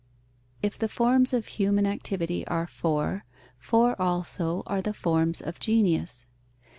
_ If the forms of human activity are four, four also are the forms of genius.